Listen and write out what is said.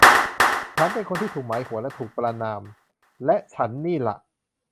ฉันเป็นคนที่ถูกหมายหัวและถูกประณาม และฉันนี่ล่ะ